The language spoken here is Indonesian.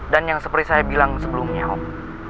dan yang seperti saya bilang sebelumnya om